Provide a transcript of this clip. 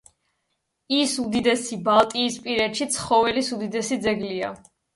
ის უდიდესი ბალტიისპირეთში ცხოველის უდიდესი ძეგლია.